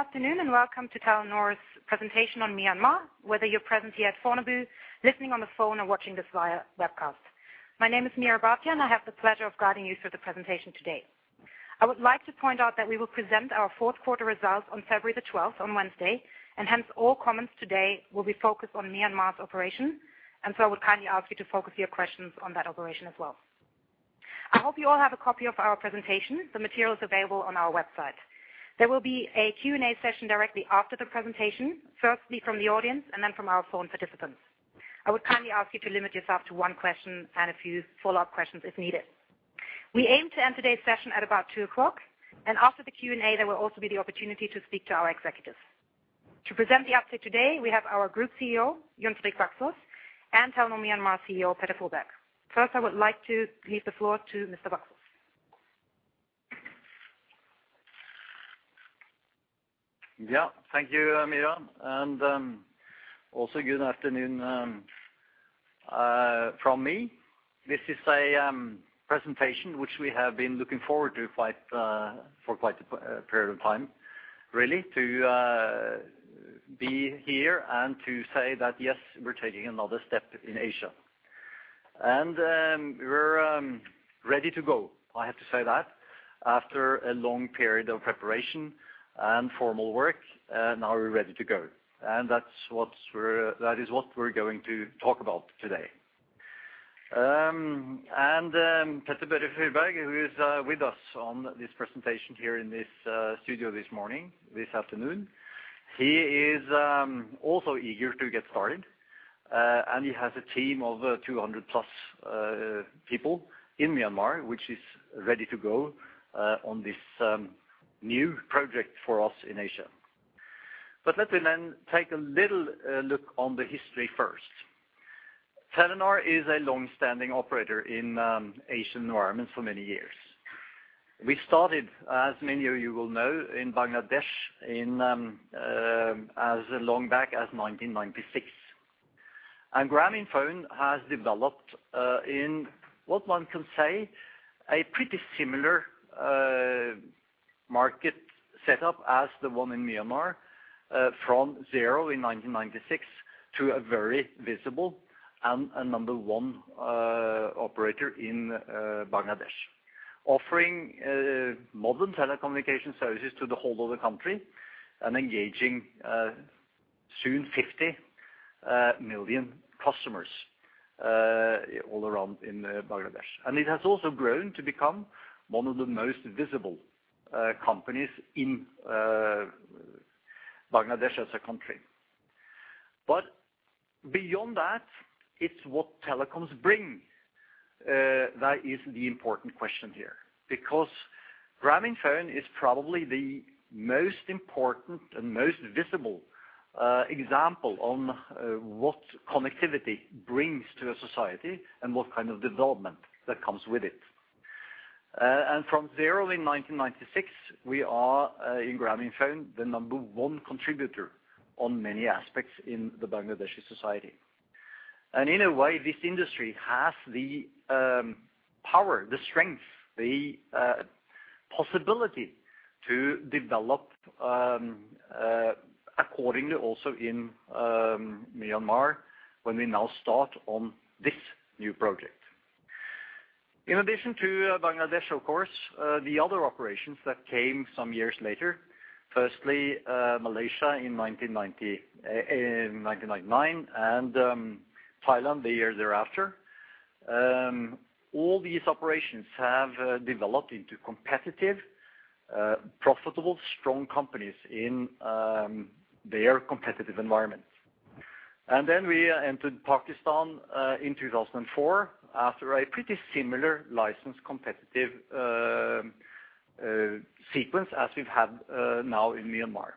Good afternoon, and welcome to Telenor's presentation on Myanmar, whether you're present here at Fornebu, listening on the phone, or watching this via webcast. My name is Meera Bhatia, and I have the pleasure of guiding you through the presentation today. I would like to point out that we will present our fourth quarter results on February the twelfth, on Wednesday, and hence, all comments today will be focused on Myanmar's operation, and so I would kindly ask you to focus your questions on that operation as well. I hope you all have a copy of our presentation. The material is available on our website. There will be a Q&A session directly after the presentation, firstly from the audience, and then from our phone participants. I would kindly ask you to limit yourself to one question and a few follow-up questions if needed. We aim to end today's session at about 2:00 P.M., and after the Q&A, there will also be the opportunity to speak to our executives. To present the update today, we have our Group CEO, Jon Fredrik Baksaas, and Telenor Myanmar CEO, Petter Furberg. First, I would like to leave the floor to Mr. Baksaas. Yeah, thank you, Meera, and also good afternoon from me. This is a presentation which we have been looking forward to quite for quite a period of time, really, to be here and to say that, yes, we're taking another step in Asia. And we're ready to go. I have to say that after a long period of preparation and formal work, now we're ready to go. And that is what we're going to talk about today. And Petter Furberg, who is with us on this presentation here in this studio this morning, this afternoon, he is also eager to get started, and he has a team of 200 plus people in Myanmar, which is ready to go on this new project for us in Asia. But let me then take a little look on the history first. Telenor is a long-standing operator in Asian environments for many years. We started, as many of you will know, in Bangladesh in as long back as 1996. Grameenphone has developed in what one can say, a pretty similar market setup as the one in Myanmar from zero in 1996 to a very visible and a number one operator in Bangladesh. Offering modern telecommunication services to the whole of the country and engaging soon 50 million customers all around in Bangladesh. It has also grown to become one of the most visible companies in Bangladesh as a country. But beyond that, it's what telecoms bring that is the important question here. Because Grameenphone is probably the most important and most visible example on what connectivity brings to a society and what kind of development that comes with it. And from zero in 1996, we are in Grameenphone the number one contributor on many aspects in the Bangladeshi society. And in a way, this industry has the power, the strength, the possibility to develop accordingly also in Myanmar, when we now start on this new project. In addition to Bangladesh, of course, the other operations that came some years later, firstly Malaysia in 1990 in 1999, and Thailand, the year thereafter. All these operations have developed into competitive profitable strong companies in their competitive environments. Then we entered Pakistan in 2004, after a pretty similar license competitive sequence as we've had now in Myanmar.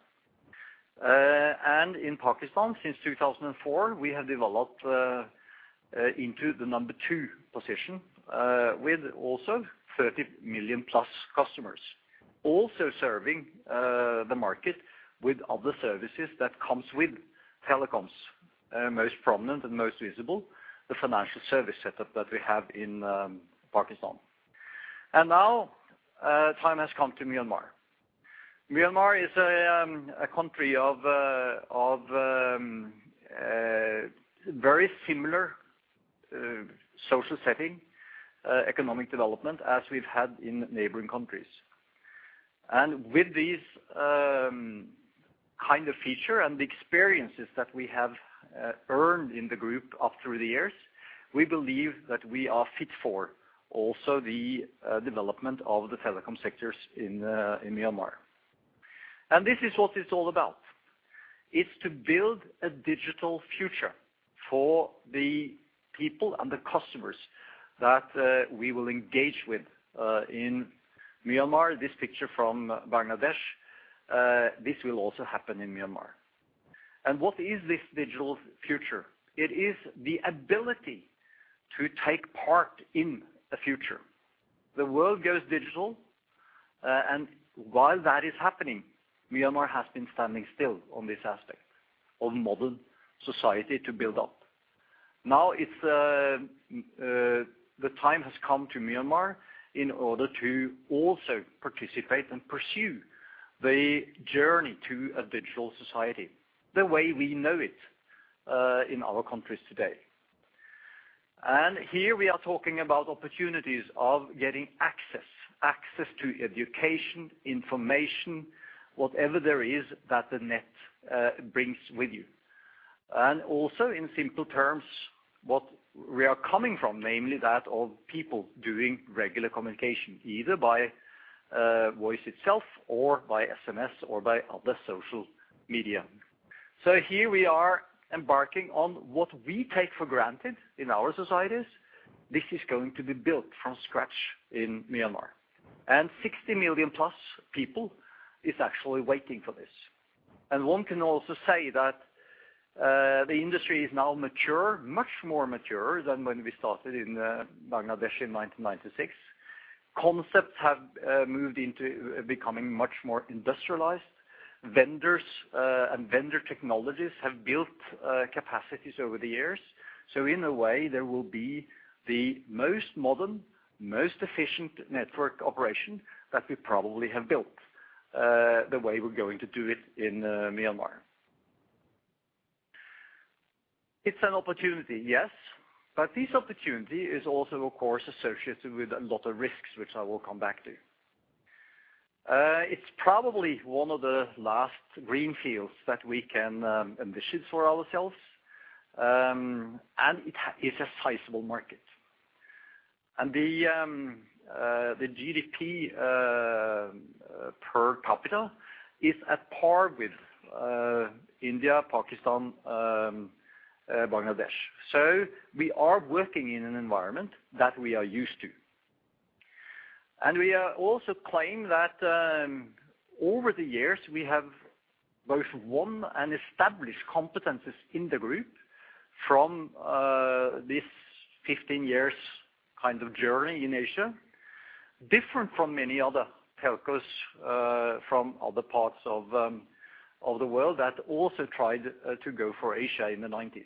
In Pakistan, since 2004, we have developed into the number two position with also 30 million plus customers, also serving the market with other services that comes with telecoms. Most prominent and most visible, the financial service setup that we have in Pakistan. Now time has come to Myanmar. Myanmar is a country of very similar social setting economic development as we've had in neighboring countries. With this kind of feature and the experiences that we have earned in the group up through the years, we believe that we are fit for also the development of the telecom sectors in Myanmar. And this is what it's all about. It's to build a digital future for the people and the customers that we will engage with in Myanmar. This picture from Bangladesh, this will also happen in Myanmar. And what is this digital future? It is the ability to take part in a future. The world goes digital, and while that is happening, Myanmar has been standing still on this aspect of modern society to build up. Now it's the time has come to Myanmar in order to also participate and pursue the journey to a digital society, the way we know it in our countries today. And here we are talking about opportunities of getting access, access to education, information, whatever there is that the net brings with you. Also, in simple terms, what we are coming from, namely that of people doing regular communication, either by voice itself or by SMS or by other social media. So here we are embarking on what we take for granted in our societies. This is going to be built from scratch in Myanmar, and 60 million plus people is actually waiting for this. And one can also say that the industry is now mature, much more mature than when we started in Bangladesh in 1996. Concepts have moved into becoming much more industrialized. Vendors and vendor technologies have built capacities over the years. So in a way, there will be the most modern, most efficient network operation that we probably have built, the way we're going to do it in Myanmar. It's an opportunity, yes, but this opportunity is also, of course, associated with a lot of risks, which I will come back to. It's probably one of the last green fields that we can envision for ourselves, and it is a sizable market. And the GDP per capita is at par with India, Pakistan, Bangladesh. So we are working in an environment that we are used to. And we are also claim that over the years, we have both won and established competencies in the group from this 15 years kind of journey in Asia, different from many other telcos from other parts of the world that also tried to go for Asia in the 1990s.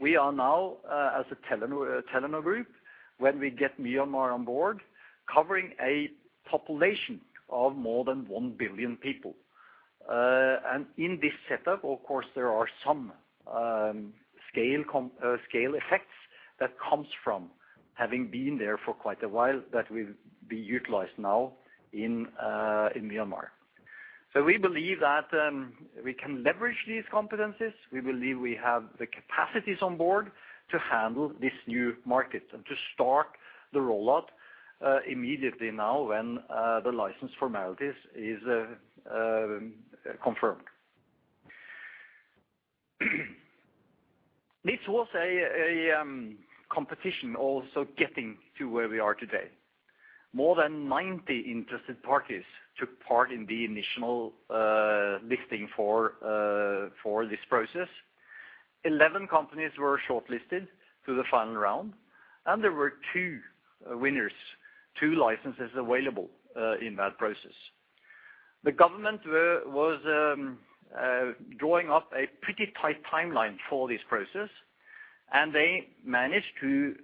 We are now, as a Telenor, Telenor group, when we get Myanmar on board, covering a population of more than 1 billion people. And in this setup, of course, there are some scale effects that comes from having been there for quite a while, that will be utilized now in Myanmar. So we believe that we can leverage these competencies. We believe we have the capacities on board to handle this new market and to start the rollout immediately now, when the license formalities is confirmed. This was a competition also getting to where we are today. More than 90 interested parties took part in the initial listing for this process. 11 companies were shortlisted to the final round, and there were two winners, two licenses available in that process. The government was drawing up a pretty tight timeline for this process, and they managed to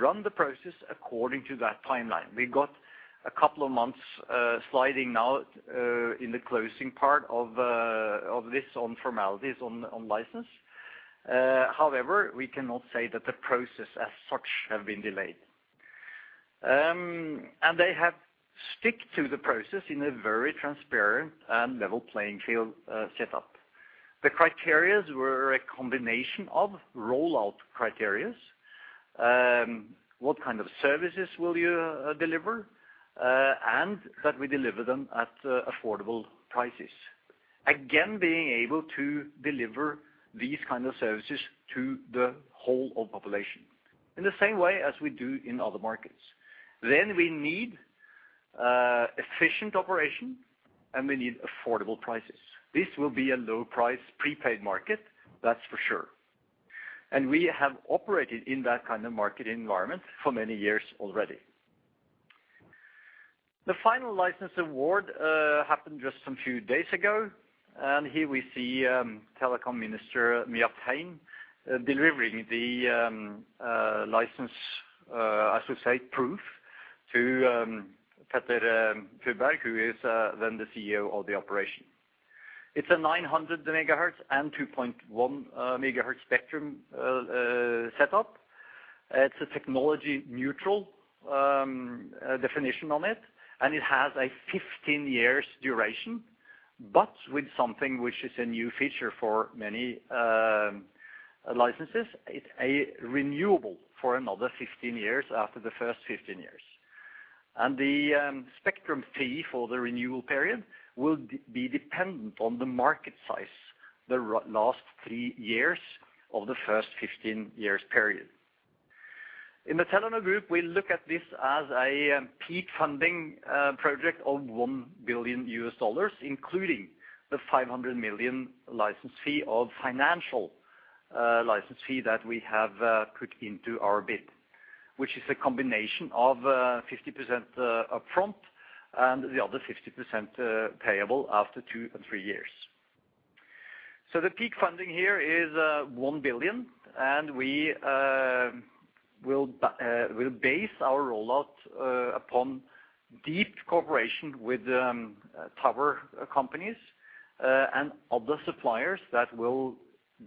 run the process according to that timeline. We got a couple of months sliding now in the closing part of this on formalities on license. However, we cannot say that the process as such have been delayed. And they have stuck to the process in a very transparent and level playing field set up. The criteria were a combination of rollout criteria what kind of services will you deliver and that we deliver them at affordable prices. Again, being able to deliver these kind of services to the whole of population, in the same way as we do in other markets. Then we need efficient operation, and we need affordable prices. This will be a low-price, prepaid market, that's for sure. We have operated in that kind of market environment for many years already. The final license award happened just some few days ago, and here we see Telecom Minister Myat Hein delivering the license, I should say, proof, to Petter Furberg, who is then the CEO of the operation. It's a 900 MHz and 2.1 MHz spectrum setup. It's a technology neutral definition on it, and it has a 15 years duration, but with something which is a new feature for many licenses, it's a renewable for another 15 years after the first 15 years. The spectrum fee for the renewal period will be dependent on the market size, the last three years of the first 15 years period. In the Telenor Group, we look at this as a peak funding project of $1 billion, including the $500 million license fee, the financial license fee that we have put into our bid, which is a combination of 50% upfront, and the other 50% payable after two and three years. So the peak funding here is $1 billion, and we will base our rollout upon deep cooperation with tower companies and other suppliers that will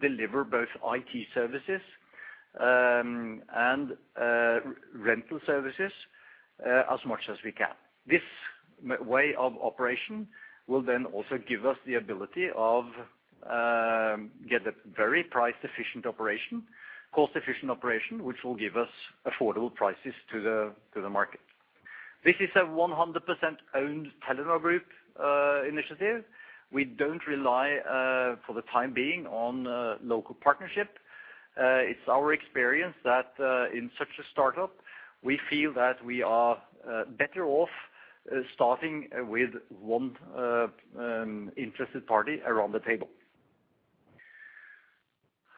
deliver both IT services and rental services as much as we can. This way of operation will then also give us the ability of get a very price-efficient operation, cost-efficient operation, which will give us affordable prices to the market. This is a 100% owned Telenor Group Initiative. We don't rely, for the time being on, local partnership. It's our experience that, in such a startup, we feel that we are, better off, starting with one, interested party around the table.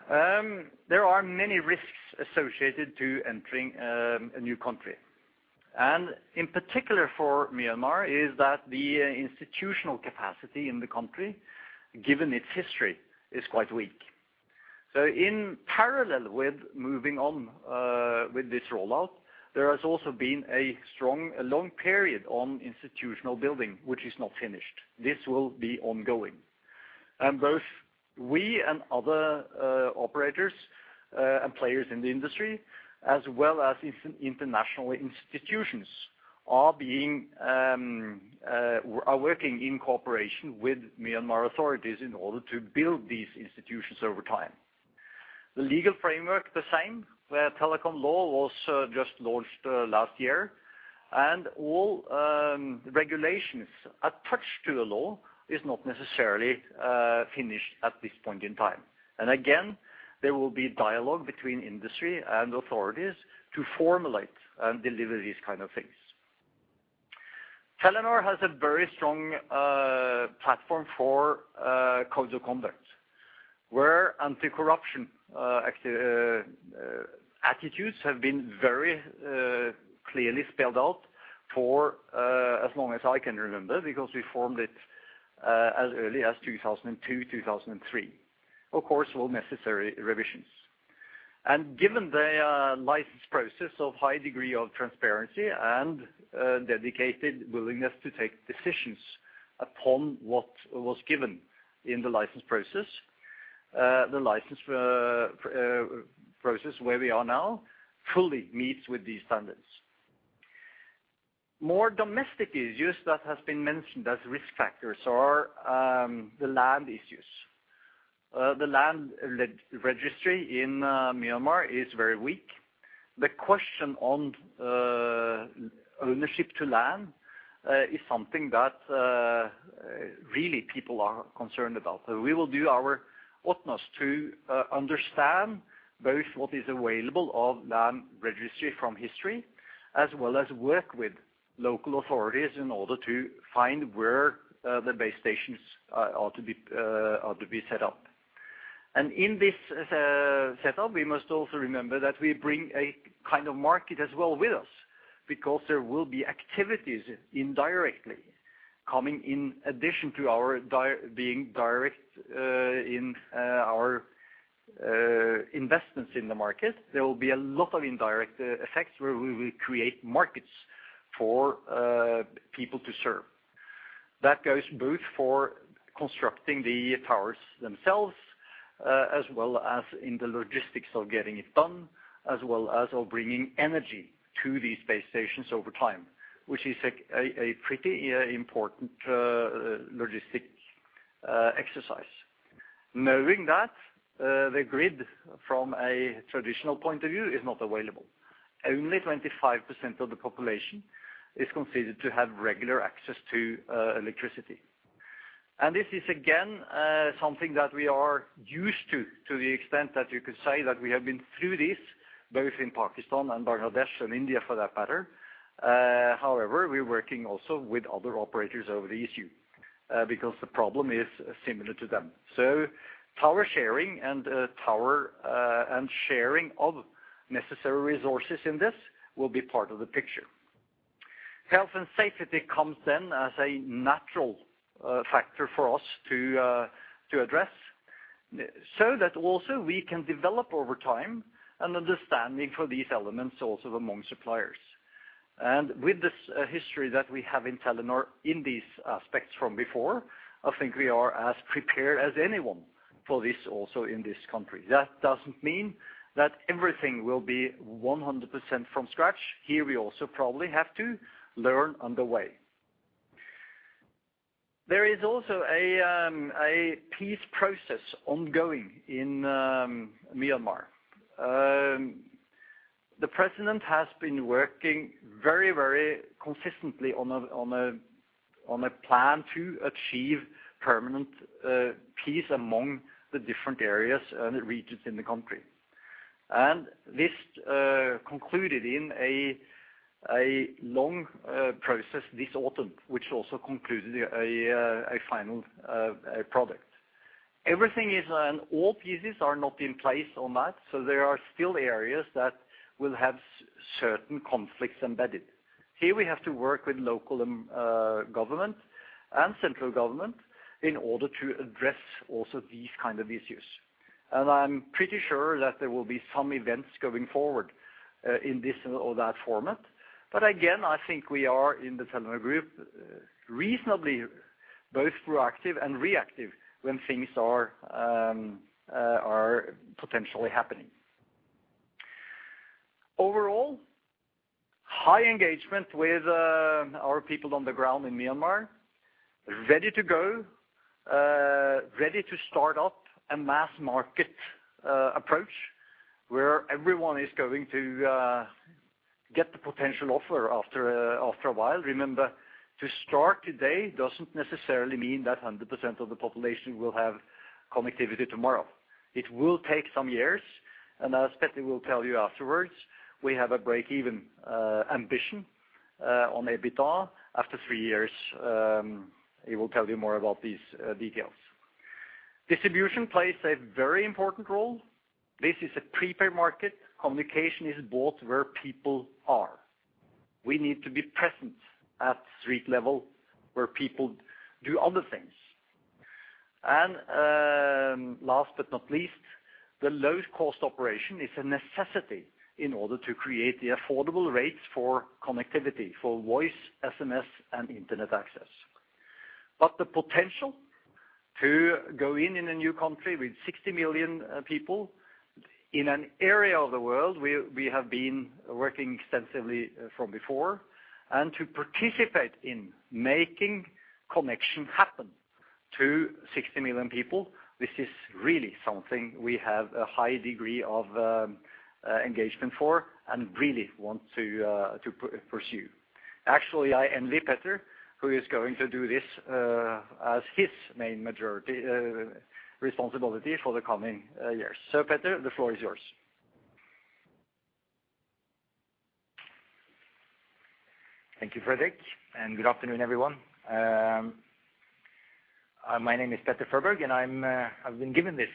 There are many risks associated to entering, a new country, and in particular for Myanmar, is that the institutional capacity in the country, given its history, is quite weak. So in parallel with moving on, with this rollout, there has also been a strong, long period on institutional building, which is not finished. This will be ongoing. Both we and other, operators, and players in the industry, as well as international institutions, are working in cooperation with Myanmar authorities in order to build these institutions over time. The legal framework, the same, where telecom law was just launched last year, and all regulations attached to the law is not necessarily finished at this point in time. Again, there will be dialogue between industry and authorities to formulate and deliver these kind of things. Telenor has a very strong platform for codes of conduct, where anti-corruption attitudes have been very clearly spelled out for as long as I can remember, because we formed it as early as 2002, 2003. Of course, all necessary revisions. Given the license process of high degree of transparency and dedicated willingness to take decisions upon what was given in the license process, the license process where we are now fully meets with these standards. More domestic issues that has been mentioned as risk factors are, the land issues. The land registry in, Myanmar is very weak. The question on, ownership to land, is something that, really people are concerned about. So we will do our utmost to, understand both what is available of land registry from history, as well as work with local authorities in order to find where, the base stations are to be set up. And in this, setup, we must also remember that we bring a kind of market as well with us, because there will be activities indirectly coming in addition to our direct investments in the market. There will be a lot of indirect, effects where we will create markets for, people to serve. That goes both for constructing the towers themselves, as well as in the logistics of getting it done, as well as of bringing energy to these base stations over time, which is a pretty important logistic exercise. Knowing that, the grid from a traditional point of view is not available, only 25% of the population is considered to have regular access to electricity. And this is, again, something that we are used to, to the extent that you could say that we have been through this, both in Pakistan and Bangladesh and India, for that matter. However, we're working also with other operators over the issue, because the problem is similar to them. So tower sharing and sharing of necessary resources in this will be part of the picture. Health and safety comes then as a natural factor for us to address, so that also we can develop over time an understanding for these elements also among suppliers. With this history that we have in Telenor in these aspects from before, I think we are as prepared as anyone for this also in this country. That doesn't mean that everything will be 100% from scratch. Here, we also probably have to learn on the way. There is also a peace process ongoing in Myanmar. The president has been working very, very consistently on a plan to achieve permanent peace among the different areas and the regions in the country. This concluded in a long process this autumn, which also concluded a final product. Everything is and all pieces are not in place on that, so there are still areas that will have certain conflicts embedded. Here we have to work with local government and central government in order to address also these kind of issues. And I'm pretty sure that there will be some events going forward in this or that format. But again, I think we are in the Telenor Group, reasonably, both proactive and reactive when things are potentially happening. Overall, high engagement with our people on the ground in Myanmar, ready to go ready to start up a mass market approach, where everyone is going to get the potential offer after a while. Remember, to start today doesn't necessarily mean that 100% of the population will have connectivity tomorrow. It will take some years, and as Petter will tell you afterwards, we have a break-even ambition on EBITDA after three years. He will tell you more about these details. Distribution plays a very important role. This is a prepaid market. Communication is bought where people are. We need to be present at street level where people do other things. And, last but not least, the low-cost operation is a necessity in order to create the affordable rates for connectivity, for voice, SMS, and internet access. But the potential to go in, in a new country with 60 million people, in an area of the world where we have been working extensively from before, and to participate in making connection happen to 60 million people, this is really something we have a high degree of, engagement for, and really want to pursue. Actually, I envy Petter, who is going to do this, as his main majority responsibility for the coming years. So, Petter, the floor is yours. Thank you, Fredrik, and good afternoon, everyone. Hi, my name is Petter Furberg, and I'm, I've been given this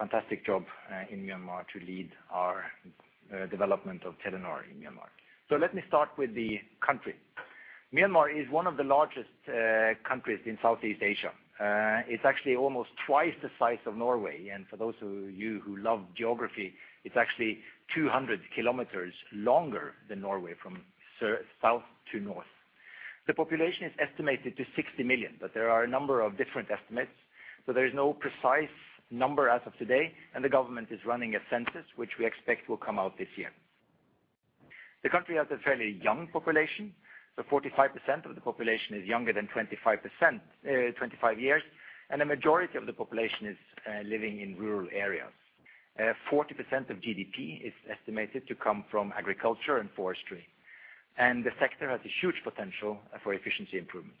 fantastic job in Myanmar to lead our development of Telenor in Myanmar. So let me start with the country. Myanmar is one of the largest countries in Southeast Asia. It's actually almost twice the size of Norway, and for those of you who love geography, it's actually 200 kilometers longer than Norway from south to north. The population is estimated to 60 million, but there are a number of different estimates, so there is no precise number as of today, and the government is running a census, which we expect will come out this year. The country has a fairly young population, so 45% of the population is younger than 25%, 25 years, and a majority of the population is living in rural areas. 40% of GDP is estimated to come from agriculture and forestry, and the sector has a huge potential for efficiency improvements.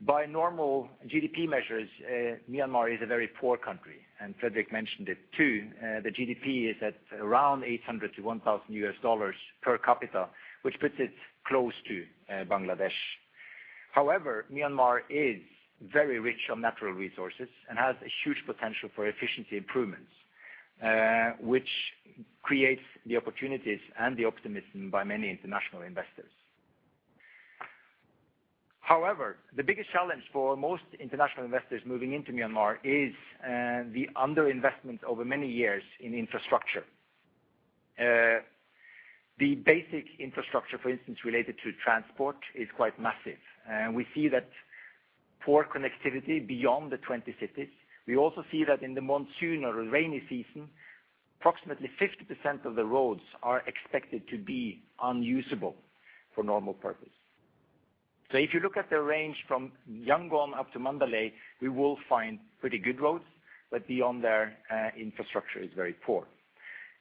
By normal GDP measures, Myanmar is a very poor country, and Fredrik mentioned it, too. The GDP is at around $800-$1,000 per capita, which puts it close to Bangladesh. However, Myanmar is very rich on natural resources and has a huge potential for efficiency improvements, which creates the opportunities and the optimism by many international investors. However, the biggest challenge for most international investors moving into Myanmar is the underinvestment over many years in infrastructure. The basic infrastructure, for instance, related to transport, is quite massive, and we see that poor connectivity beyond the 20 cities. We also see that in the monsoon or rainy season, approximately 50% of the roads are expected to be unusable for normal purpose. So if you look at the range from Yangon up to Mandalay, we will find pretty good roads, but beyond there, infrastructure is very poor.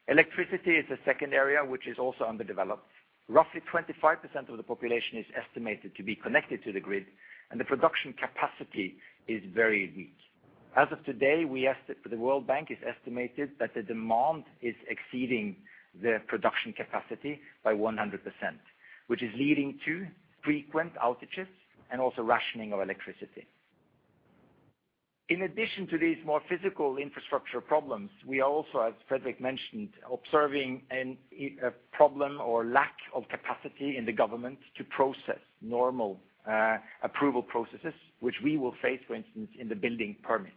Electricity is the second area, which is also underdeveloped. Roughly 25% of the population is estimated to be connected to the grid, and the production capacity is very weak. As of today, the World Bank estimates that the demand is exceeding the production capacity by 100%, which is leading to frequent outages and also rationing of electricity. In addition to these more physical infrastructure problems, we are also, as Fredrik mentioned, observing a problem or lack of capacity in the government to process normal approval processes, which we will face, for instance, in the building permits.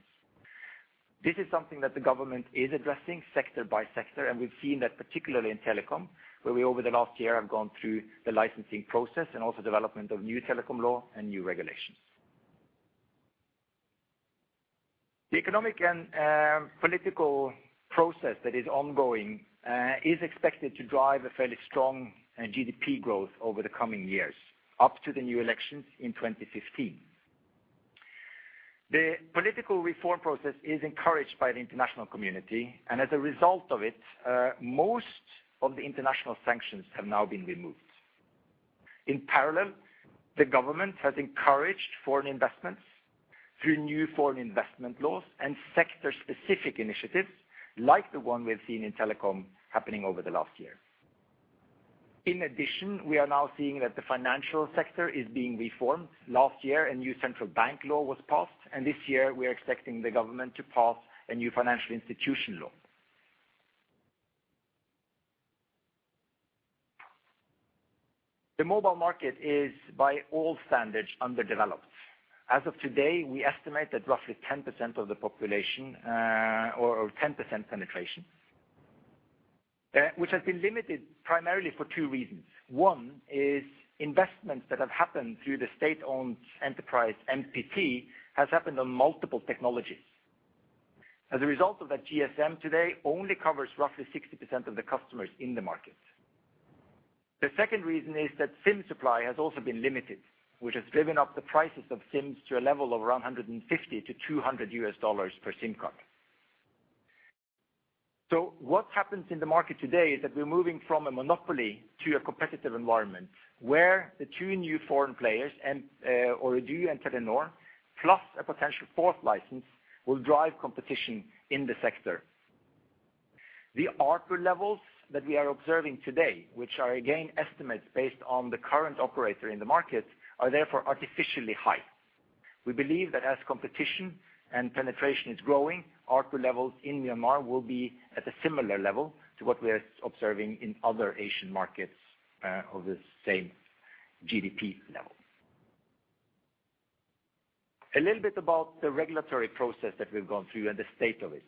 This is something that the government is addressing sector by sector, and we've seen that particularly in telecom, where we, over the last year, have gone through the licensing process and also development of new telecom law and new regulations. The economic and political process that is ongoing is expected to drive a fairly strong GDP growth over the coming years, up to the new elections in 2015. The political reform process is encouraged by the international community, and as a result of it, most of the international sanctions have now been removed. In parallel, the government has encouraged foreign investments through new foreign investment laws and sector-specific initiatives, like the one we've seen in telecom happening over the last year. In addition, we are now seeing that the financial sector is being reformed. Last year, a new central bank law was passed, and this year we are expecting the government to pass a new financial institution law. The mobile market is, by all standards, underdeveloped. As of today, we estimate that roughly 10% of the population, or 10% penetration, which has been limited primarily for two reasons. One is investments that have happened through the state-owned enterprise, MPT, has happened on multiple technologies. As a result of that, GSM today only covers roughly 60% of the customers in the market. The second reason is that SIM supply has also been limited, which has driven up the prices of SIMs to a level of around $150-$200 per SIM card. So what happens in the market today is that we're moving from a monopoly to a competitive environment, where the two new foreign players and Ooredoo and Telenor, plus a potential fourth license, will drive competition in the sector. The ARPU levels that we are observing today, which are, again, estimates based on the current operator in the market, are therefore artificially high. We believe that as competition and penetration is growing, ARPU levels in Myanmar will be at a similar level to what we are observing in other Asian markets of the same GDP level. A little bit about the regulatory process that we've gone through and the state of it.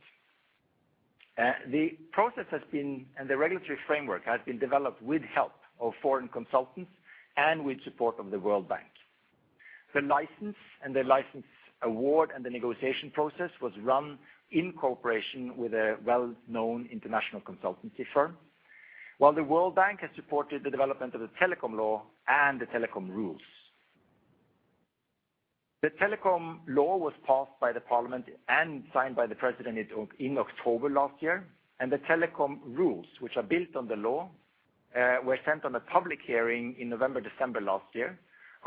The process has been, and the regulatory framework has been developed with help of foreign consultants and with support of the World Bank. The license and the license award, and the negotiation process was run in cooperation with a well-known international consultancy firm. While the World Bank has supported the development of the telecom law and the telecom rules. The telecom law was passed by the parliament and signed by the president in October last year, and the telecom rules, which are built on the law, were sent on a public hearing in November, December last year,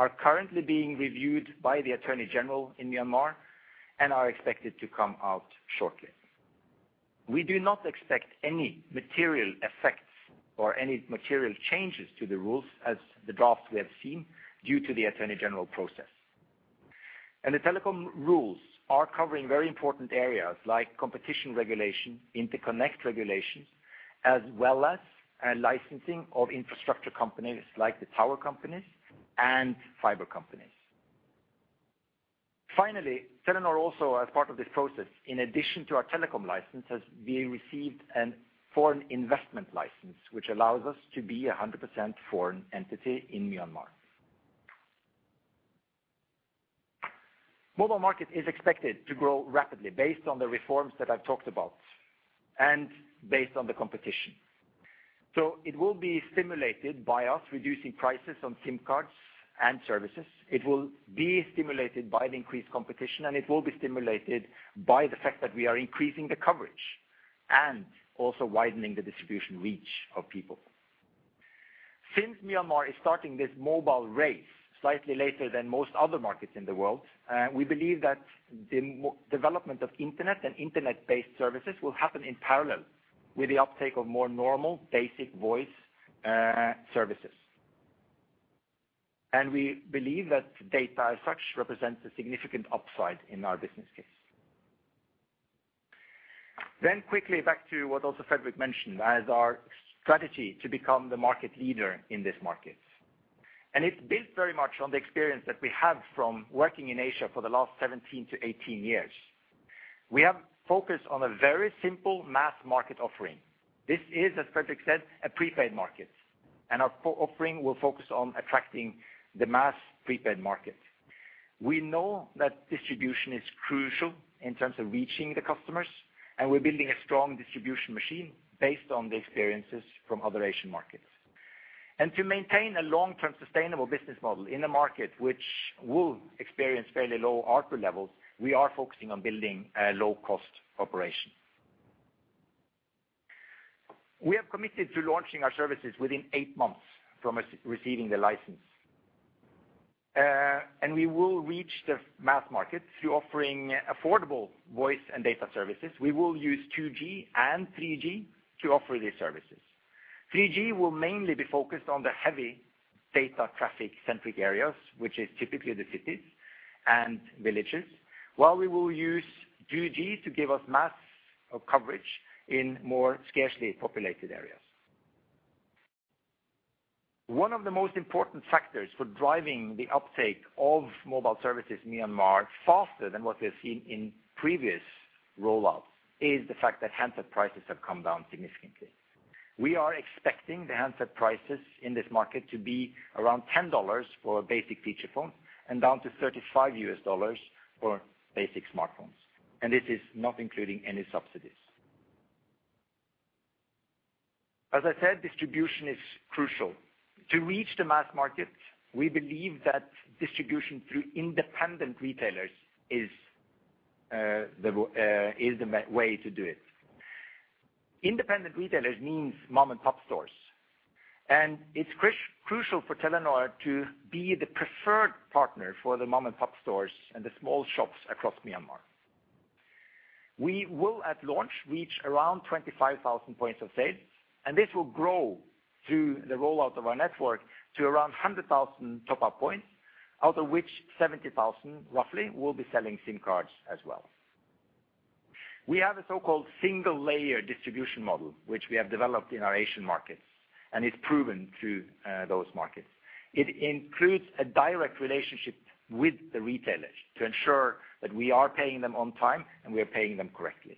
are currently being reviewed by the Attorney General in Myanmar and are expected to come out shortly. We do not expect any material effects or any material changes to the rules as the drafts we have seen due to the Attorney General process. The telecom rules are covering very important areas, like competition regulation, interconnect regulations, as well as a licensing of infrastructure companies like the tower companies and fiber companies. Finally, Telenor also, as part of this process, in addition to our telecom license, has been received a foreign investment license, which allows us to be 100% foreign entity in Myanmar. Mobile market is expected to grow rapidly based on the reforms that I've talked about and based on the competition. It will be stimulated by us reducing prices on SIM cards and services. It will be stimulated by the increased competition, and it will be stimulated by the fact that we are increasing the coverage, and also widening the distribution reach of people. Since Myanmar is starting this mobile race slightly later than most other markets in the world, we believe that the development of internet and internet-based services will happen in parallel with the uptake of more normal, basic voice services. And we believe that data, as such, represents a significant upside in our business case. Then quickly back to what also Fredrik mentioned, as our strategy to become the market leader in this market. And it's built very much on the experience that we have from working in Asia for the last 17-18 years. We have focused on a very simple mass market offering. This is, as Fredrik said, a prepaid market, and our offering will focus on attracting the mass prepaid market. We know that distribution is crucial in terms of reaching the customers, and we're building a strong distribution machine based on the experiences from other Asian markets. To maintain a long-term sustainable business model in a market which will experience fairly low ARPU levels, we are focusing on building a low-cost operation. We have committed to launching our services within 8 months from us receiving the license, and we will reach the mass market through offering affordable voice and data services. We will use 2G and 3G to offer these services. 3G will mainly be focused on the heavy data traffic-centric areas, which is typically the cities and villages. While we will use 2G to give us mass coverage in more scarcely populated areas. One of the most important factors for driving the uptake of mobile services in Myanmar, faster than what we've seen in previous rollouts, is the fact that handset prices have come down significantly. We are expecting the handset prices in this market to be around $10 for a basic feature phone and down to $35 for basic smartphones, and this is not including any subsidies. As I said, distribution is crucial. To reach the mass market, we believe that distribution through independent retailers is the way to do it. Independent retailers means mom-and-pop stores, and it's crucial for Telenor to be the preferred partner for the mom-and-pop stores and the small shops across Myanmar.... We will at launch reach around 25,000 points of sale, and this will grow through the rollout of our network to around 100,000 top-up points, out of which 70,000, roughly, will be selling SIM cards as well. We have a so-called single-layer distribution model, which we have developed in our Asian markets, and it's proven through those markets. It includes a direct relationship with the retailers to ensure that we are paying them on time, and we are paying them correctly.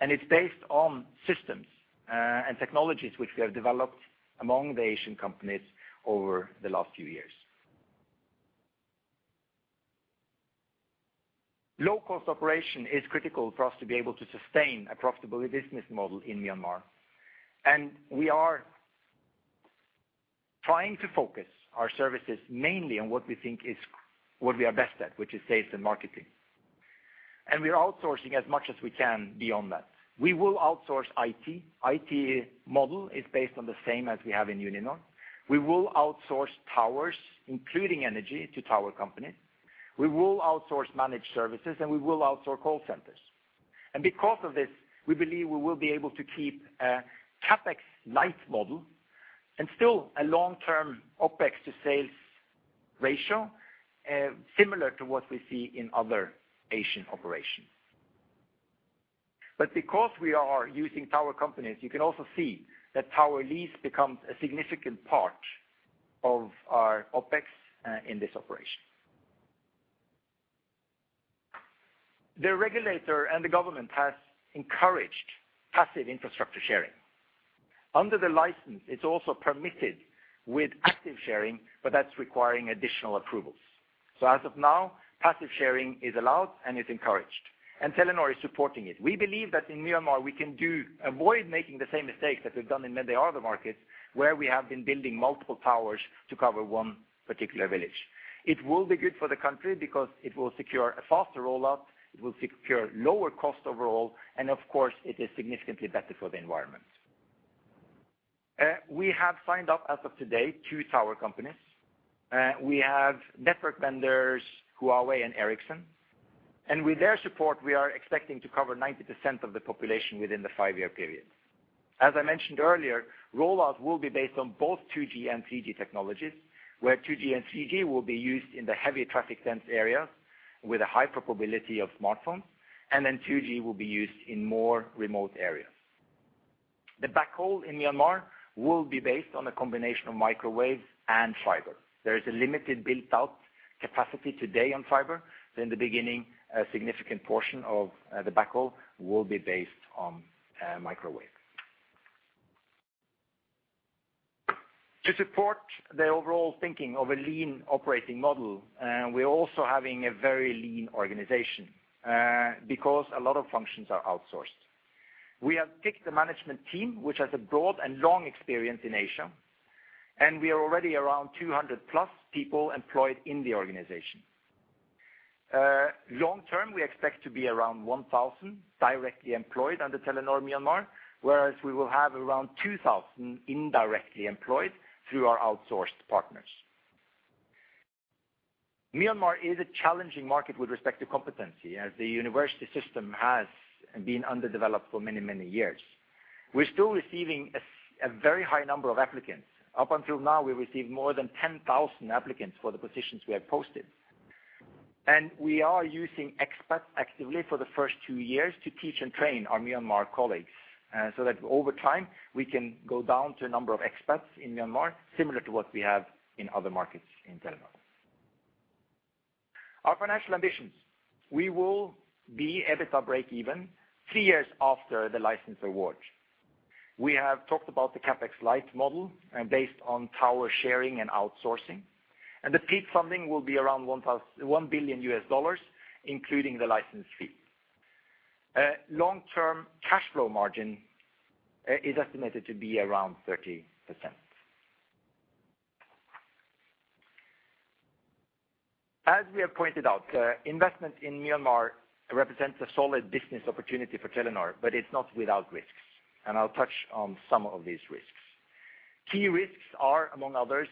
It's based on systems and technologies which we have developed among the Asian companies over the last few years. Low-cost operation is critical for us to be able to sustain a profitable business model in Myanmar, and we are trying to focus our services mainly on what we think is what we are best at, which is sales and marketing. We are outsourcing as much as we can beyond that. We will outsource IT. IT model is based on the same as we have in Telenor. We will outsource towers, including energy, to tower companies. We will outsource managed services, and we will outsource call centers. And because of this, we believe we will be able to keep a CapEx light model and still a long-term OpEx to sales ratio, similar to what we see in other Asian operations. But because we are using tower companies, you can also see that tower lease becomes a significant part of our OpEx, in this operation. The regulator and the government has encouraged passive infrastructure sharing. Under the license, it's also permitted with active sharing, but that's requiring additional approvals. So as of now, passive sharing is allowed, and it's encouraged, and Telenor is supporting it. We believe that in Myanmar, we can avoid making the same mistakes that we've done in many other markets, where we have been building multiple towers to cover one particular village. It will be good for the country because it will secure a faster rollout, it will secure lower cost overall, and of course, it is significantly better for the environment. We have signed up, as of today, two tower companies. We have network vendors, Huawei and Ericsson, and with their support, we are expecting to cover 90% of the population within the five-year period. As I mentioned earlier, rollout will be based on both 2G and 3G technologies, where 2G and 3G will be used in the heavy traffic dense areas with a high probability of smartphones, and then 2G will be used in more remote areas. The backhaul in Myanmar will be based on a combination of microwave and fiber. There is a limited built-out capacity today on fiber, so in the beginning, a significant portion of the backhaul will be based on microwave. To support the overall thinking of a lean operating model, we're also having a very lean organization because a lot of functions are outsourced. We have picked the management team, which has a broad and long experience in Asia, and we are already around 200+ people employed in the organization. Long term, we expect to be around 1,000 directly employed under Telenor Myanmar, whereas we will have around 2,000 indirectly employed through our outsourced partners. Myanmar is a challenging market with respect to competency, as the university system has been underdeveloped for many, many years. We're still receiving a very high number of applicants. Up until now, we received more than 10,000 applicants for the positions we have posted. We are using experts actively for the first two years to teach and train our Myanmar colleagues, so that over time, we can go down to a number of experts in Myanmar, similar to what we have in other markets in Telenor. Our financial ambitions, we will be EBITDA breakeven three years after the license award. We have talked about the CapEx light model and based on tower sharing and outsourcing, and the peak funding will be around $1 billion, including the license fee. Long-term cash flow margin is estimated to be around 30%. As we have pointed out, investment in Myanmar represents a solid business opportunity for Telenor, but it's not without risks, and I'll touch on some of these risks. Key risks are, among others,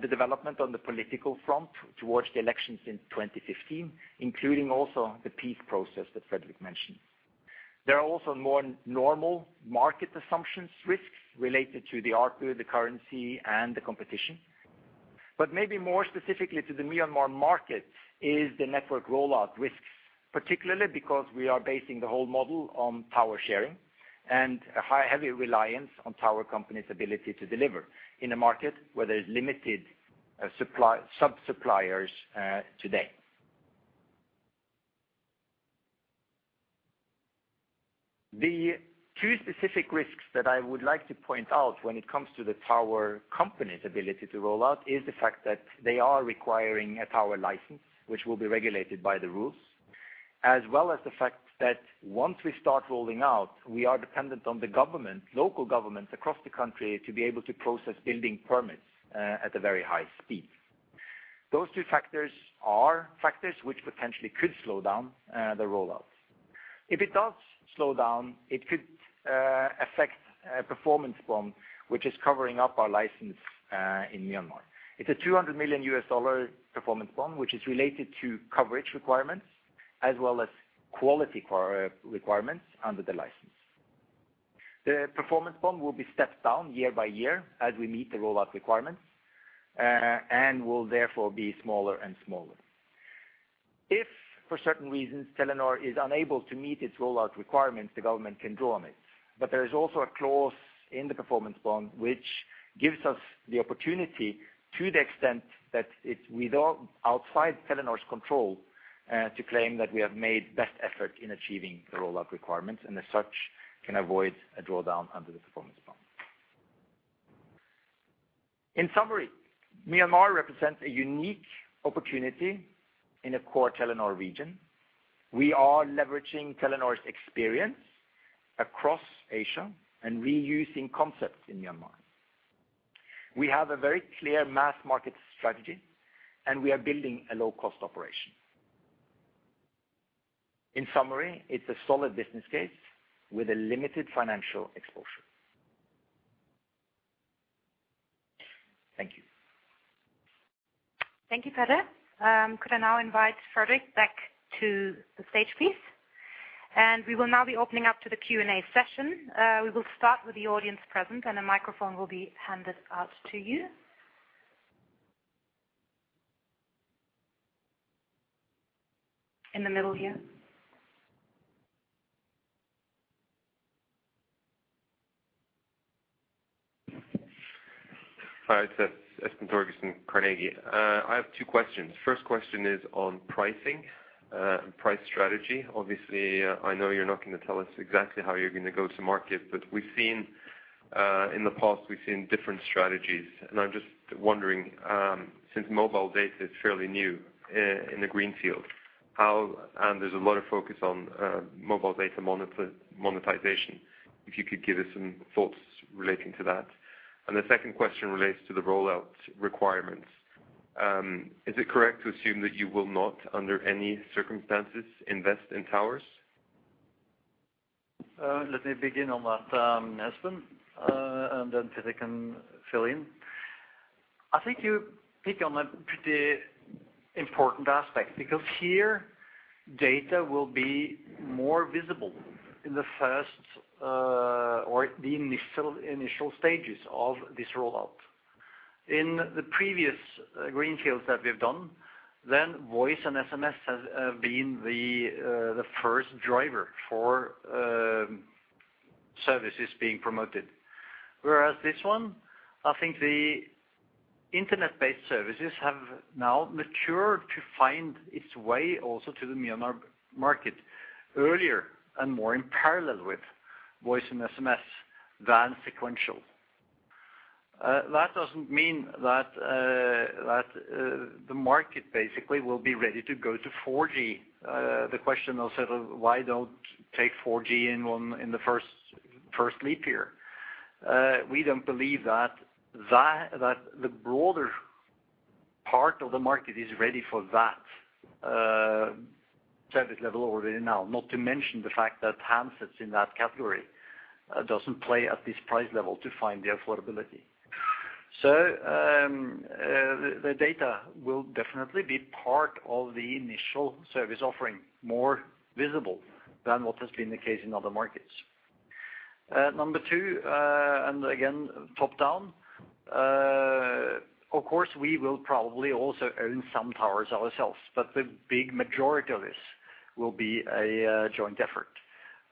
the development on the political front towards the elections in 2015, including also the peace process that Fredrik mentioned. There are also more normal market assumptions risks related to the ARPU, the currency, and the competition. But maybe more specifically to the Myanmar market, is the network rollout risks, particularly because we are basing the whole model on tower sharing and a high, heavy reliance on tower companies' ability to deliver in a market where there's limited supply, sub-suppliers, today. The two specific risks that I would like to point out when it comes to the tower company's ability to roll out is the fact that they are requiring a tower license, which will be regulated by the rules, as well as the fact that once we start rolling out, we are dependent on the government, local governments across the country to be able to process building permits at a very high speed. Those two factors are factors which potentially could slow down the rollout. If it does slow down, it could affect a performance bond, which is covering up our license in Myanmar. It's a $200 million performance bond, which is related to coverage requirements as well as quality requirements under the license. The performance bond will be stepped down year by year as we meet the rollout requirements, and will therefore be smaller and smaller. If, for certain reasons, Telenor is unable to meet its rollout requirements, the government can draw on it. But there is also a clause in the performance bond, which gives us the opportunity, to the extent that it's without outside Telenor's control, to claim that we have made best effort in achieving the rollout requirements, and as such, can avoid a drawdown under the performance bond. In summary, Myanmar represents a unique opportunity in a core Telenor region. We are leveraging Telenor's experience across Asia and reusing concepts in Myanmar. We have a very clear mass market strategy, and we are building a low-cost operation. In summary, it's a solid business case with a limited financial exposure. Thank you. Thank you, Petter. Could I now invite Fredrik back to the stage, please? We will now be opening up to the Q&A session. We will start with the audience present, and a microphone will be handed out to you. In the middle here. Hi, it's Espen Torgersen, Carnegie. I have two questions. First question is on pricing and price strategy. Obviously, I know you're not gonna tell us exactly how you're gonna go to market, but we've seen in the past, we've seen different strategies, and I'm just wondering, since mobile data is fairly new in the greenfield, how, and there's a lot of focus on mobile data monetization, if you could give us some thoughts relating to that. And the second question relates to the rollout requirements. Is it correct to assume that you will not, under any circumstances, invest in towers? Let me begin on that, Espen, and then Petter can fill in. I think you pick on a pretty important aspect, because here, data will be more visible in the first, or the initial stages of this rollout. In the previous greenfields that we've done, then voice and SMS has been the first driver for services being promoted. Whereas this one, I think the internet-based services have now matured to find its way also to the Myanmar market earlier and more in parallel with voice and SMS than sequential. That doesn't mean that the market basically will be ready to go to 4G. The question also, why don't take 4G in one, in the first leap year? We don't believe that the broader part of the market is ready for that service level already now, not to mention the fact that handsets in that category doesn't play at this price level to find the affordability. So, the data will definitely be part of the initial service offering, more visible than what has been the case in other markets. Number two, and again, top-down, of course, we will probably also own some towers ourselves, but the big majority of this will be a joint effort.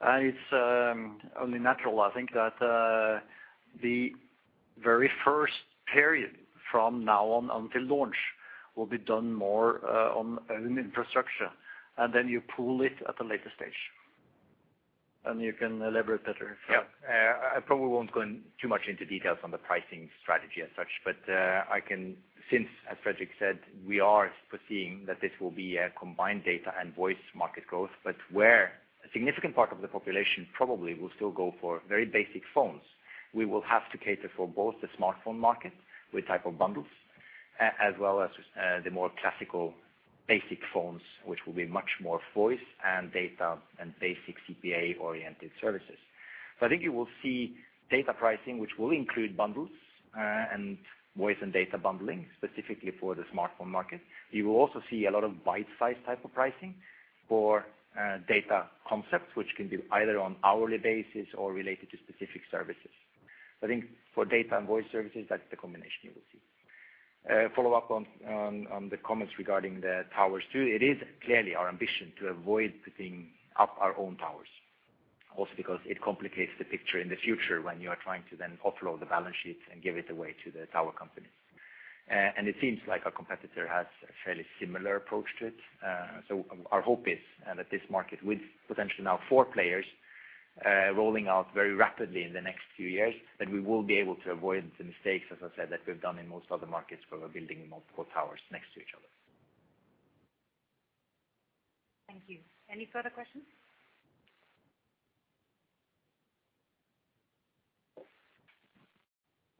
And it's only natural, I think, that the very first period from now on until launch will be done more on own infrastructure, and then you pool it at a later stage. And you can elaborate better. Yeah. I probably won't go in too much into details on the pricing strategy as such, but, I can. Since, as Fredrik said, we are foreseeing that this will be a combined data and voice market growth, but where a significant part of the population probably will still go for very basic phones, we will have to cater for both the smartphone market, with type of bundles, as well as, the more classical basic phones, which will be much more voice and data and basic CPA-oriented services. So I think you will see data pricing, which will include bundles, and voice and data bundling, specifically for the smartphone market. You will also see a lot of bite-sized type of pricing for, data concepts, which can be either on hourly basis or related to specific services. I think for data and voice services, that's the combination you will see. Follow up on the comments regarding the towers, too. It is clearly our ambition to avoid putting up our own towers, also because it complicates the picture in the future when you are trying to then offload the balance sheets and give it away to the tower companies. And it seems like our competitor has a fairly similar approach to it. So our hope is, and that this market, with potentially now four players, rolling out very rapidly in the next few years, that we will be able to avoid the mistakes, as I said, that we've done in most other markets, where we're building multiple towers next to each other. Thank you. Any further questions?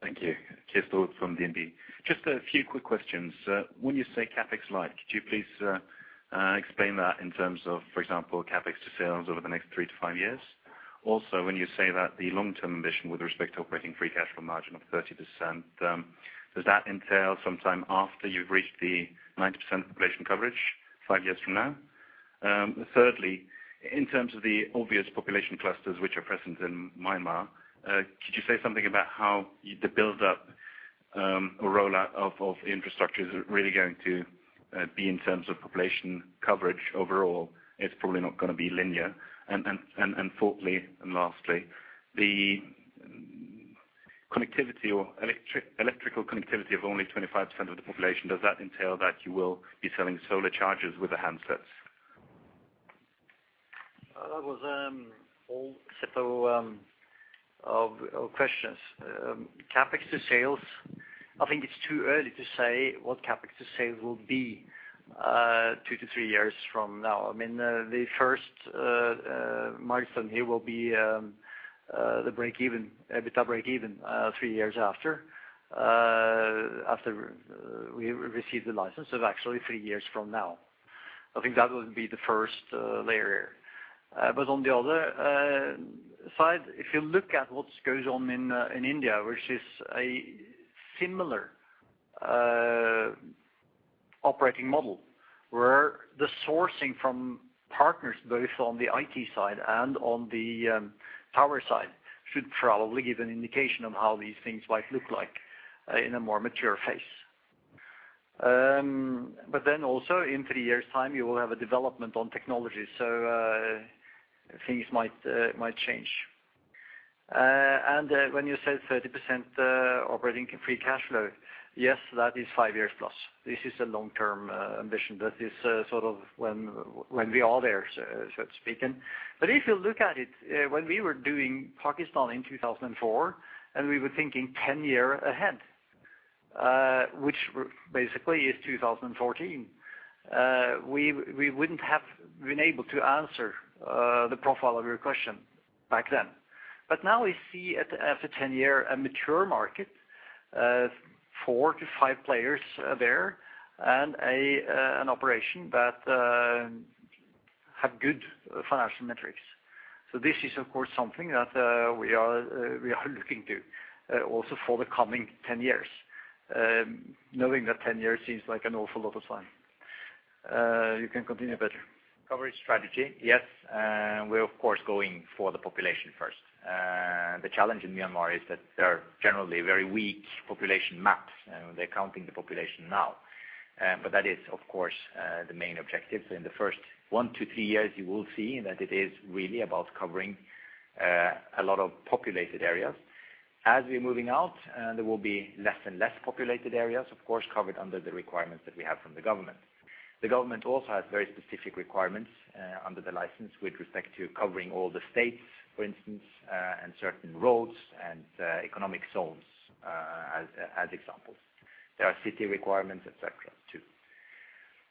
Thank you. Christer from DNB. Just a few quick questions. When you say CapEx light, could you please explain that in terms of, for example, CapEx to sales over the next three-five years? Also, when you say that the long-term ambition with respect to operating free cash flow margin of 30%, does that entail sometime after you've reached the 90% population coverage 5 years from now? Thirdly, in terms of the obvious population clusters which are present in Myanmar, could you say something about how the build up or rollout of infrastructures are really going to be in terms of population coverage overall? It's probably not gonna be linear. Fourthly and lastly, the connectivity or electrical connectivity of only 25% of the population, does that entail that you will be selling solar chargers with the handsets? That was all set of questions. CapEx to sales, I think it's too early to say what CapEx to sales will be, 2-three years from now. I mean, the first milestone here will be the break even, EBITDA break even, three years after we receive the license, so actually three years from now. I think that would be the first layer. But on the other side, if you look at what goes on in India, which is a similar operating model, where the sourcing from partners, both on the IT side and on the tower side, should probably give an indication on how these things might look like in a more mature phase. But then also in three years' time, you will have a development on technology, so things might change. And when you said 30%, operating in free cash flow, yes, that is 5 years plus. This is a long-term ambition. That is sort of when we are there, so to speak. But if you look at it, when we were doing Pakistan in 2004, and we were thinking 10-year ahead, which basically is 2014, we wouldn't have been able to answer the profile of your question back then. But now we see, after 10-year, a mature market, 4-5 players there, and an operation that have good financial metrics. So this is, of course, something that we are looking to also for the coming 10 years. Knowing that 10 years seems like an awful lot of time. You can continue better. Coverage strategy, yes, we're of course going for the population first. The challenge in Myanmar is that there are generally very weak population maps, and they're counting the population now. But that is, of course, the main objective. In the first 1-three years, you will see that it is really about covering a lot of populated areas. As we're moving out, there will be less and less populated areas, of course, covered under the requirements that we have from the government. The government also has very specific requirements under the license with respect to covering all the states, for instance, and certain roads and economic zones, as examples. There are city requirements, et cetera, too.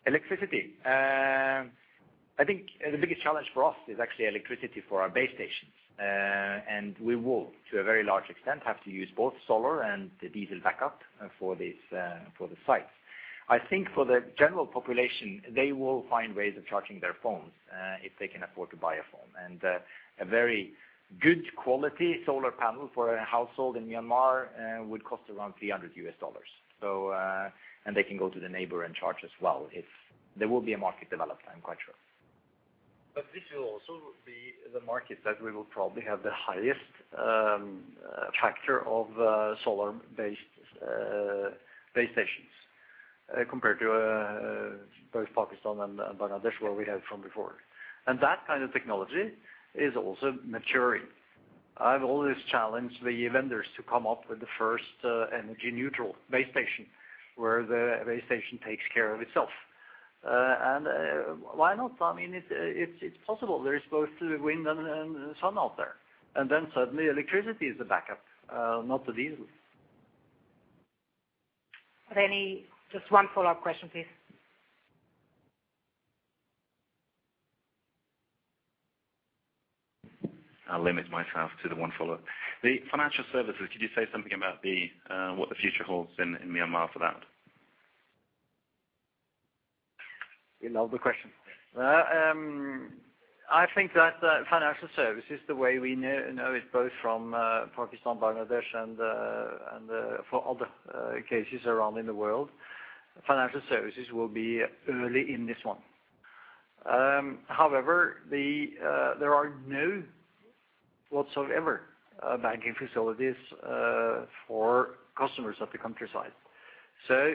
Electricity, I think the biggest challenge for us is actually electricity for our base stations. And we will, to a very large extent, have to use both solar and the diesel backup, for these, for the sites. I think for the general population, they will find ways of charging their phones, if they can afford to buy a phone. And, a very good quality solar panel for a household in Myanmar, would cost around $300. So, and they can go to the neighbor and charge as well, if... There will be a market developed, I'm quite sure. But this will also be the market that we will probably have the highest factor of solar-based base stations compared to both Pakistan and Bangladesh, where we have from before. And that kind of technology is also maturing. I've always challenged the vendors to come up with the first energy-neutral base station, where the base station takes care of itself. And why not? I mean, it's possible. There is both the wind and sun out there, and then suddenly electricity is the backup, not the diesel. Just one follow-up question, please. I'll limit myself to the one follow-up. The financial services, could you say something about what the future holds in Myanmar for that? We love the question. I think that financial services, the way we know it, both from Pakistan, Bangladesh, and for other cases around in the world, financial services will be early in this one. However, there are no whatsoever banking facilities for customers at the countryside. So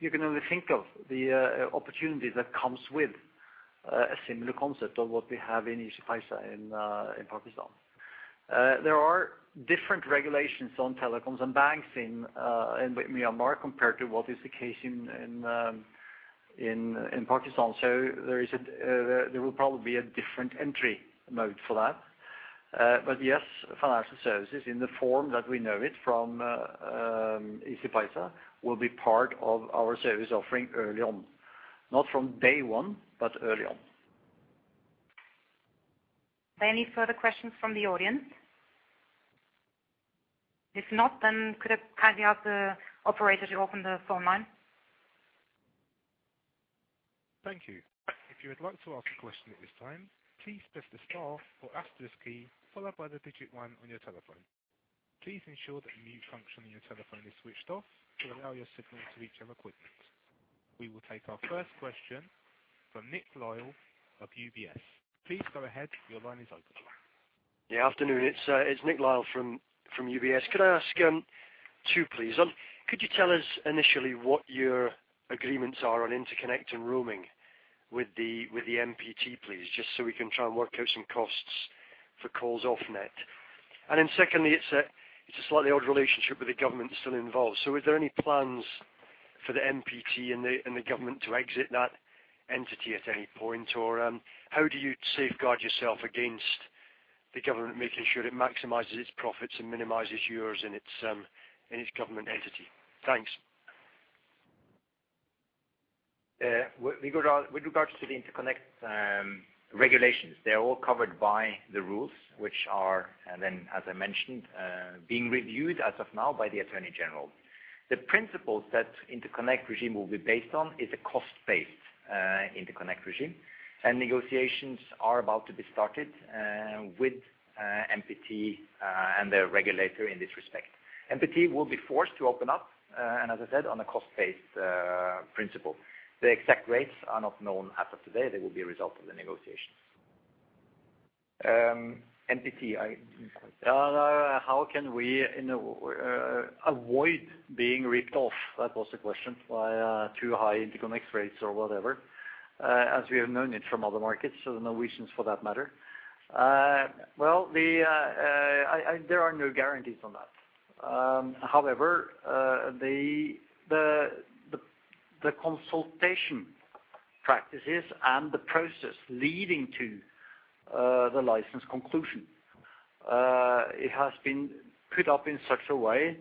you can only think of the opportunity that comes with a similar concept of what we have in Easypaisa in Pakistan. There are different regulations on telecoms and banks in Myanmar, compared to what is the case in Pakistan. So there will probably be a different entry mode for that. But yes, financial services in the form that we know it from Easypaisa, will be part of our service offering early on. Not from day one, but early on. ... Are there any further questions from the audience? If not, then could I kindly ask the operator to open the phone line? Thank you. If you would like to ask a question at this time, please press the star or asterisk key, followed by the digit one on your telephone. Please ensure that the mute function on your telephone is switched off to allow your signal to reach our equipment. We will take our first question from Nick Lyall of UBS. Please go ahead. Your line is open. Yeah, afternoon. It's Nick Lyall from UBS. Could I ask two, please? Could you tell us initially what your agreements are on interconnect and roaming with the MPT, please? Just so we can try and work out some costs for calls off net. And then secondly, it's a slightly odd relationship with the government still involved. So is there any plans for the MPT and the government to exit that entity at any point? Or how do you safeguard yourself against the government making sure it maximizes its profits and minimizes yours in its government entity? Thanks. With regards to the interconnect regulations, they're all covered by the rules, which are, and then, as I mentioned, being reviewed as of now by the Attorney General. The principles that interconnect regime will be based on is a cost-based interconnect regime, and negotiations are about to be started with MPT and their regulator in this respect. MPT will be forced to open up and as I said, on a cost-based principle. The exact rates are not known as of today. They will be a result of the negotiations. MPT, how can we avoid being ripped off, that was the question, by too high interconnect rates or whatever, as we have known it from other markets, so the Norwegians for that matter. Well, there are no guarantees on that. However, the consultation practices and the process leading to the license conclusion, it has been put up in such a way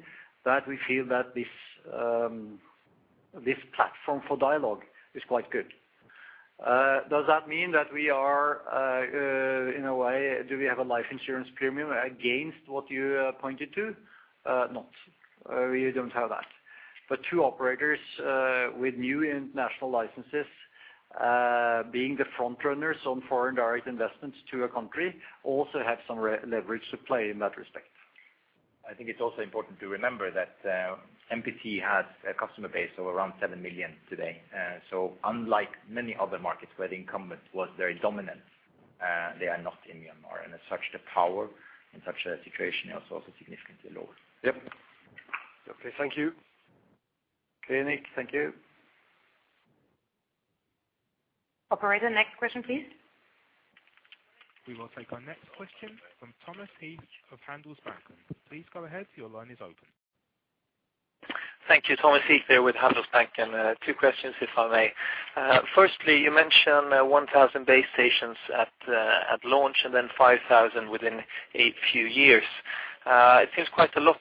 that we feel that this platform for dialogue is quite good. Does that mean that we are, in a way, do we have a life insurance premium against what you pointed to? Not. We don't have that. But two operators with new international licenses, being the front runners on foreign direct investments to a country, also have some leverage to play in that respect. I think it's also important to remember that MPT has a customer base of around 7 million today. So unlike many other markets where the incumbent was very dominant, they are not in Myanmar, and as such, the power in such a situation is also significantly lower. Yep. Okay, thank you. Okay, Nick. Thank you. Operator, next question, please. We will take our next question from Thomas Heath of Handelsbanken. Please go ahead. Your line is open. Thank you. Thomas Heath here with Handelsbanken. Two questions, if I may. Firstly, you mentioned 1,000 base stations at launch, and then 5,000 within a few years. It seems quite a lot,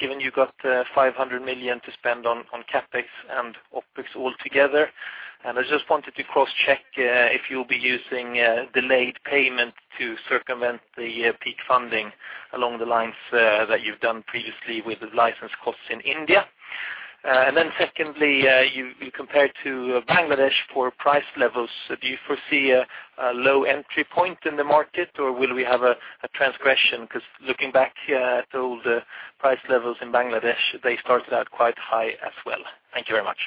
given you got $500 million to spend on CapEx and OpEx altogether. I just wanted to cross-check if you'll be using delayed payment to circumvent the peak funding along the lines that you've done previously with the license costs in India. And then secondly, you compared to Bangladesh for price levels. Do you foresee a low entry point in the market, or will we have a transgression? Because looking back at all the price levels in Bangladesh, they started out quite high as well. Thank you very much.